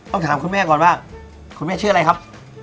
ถามคุณแม่ก่อนว่าคุณแม่ชื่ออะไรครับ